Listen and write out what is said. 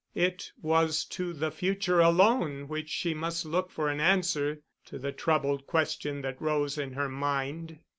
It was to the future alone which she must look for an answer to the troubled question that rose in her mind.